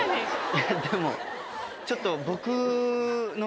いやでもちょっと。